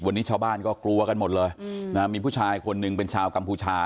วันนี้ชาวบ้านก็กลัวกันหมดเลยมีผู้ชายคนหนึ่งเป็นชาวกัมพูชา